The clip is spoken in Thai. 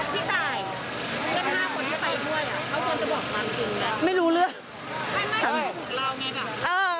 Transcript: พี่ตายเพื่อนห้าคนที่ไปด้วยเขาก็จะบอกความจริงแล้ว